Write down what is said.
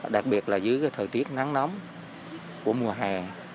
đặc biệt là dưới thời tiết nắng nóng của mùa hè